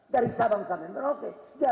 dari sabang kami menurut saya